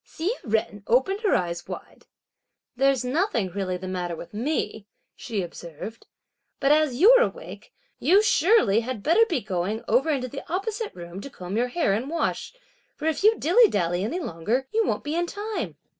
Hsi Jen opened her eyes wide. "There's nothing really the matter with me!" she observed; "but as you're awake, you surely had better be going over into the opposite room to comb your hair and wash; for if you dilly dally any longer, you won't be in time."